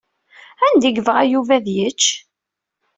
Anda i yebɣa Yuba ad yečč?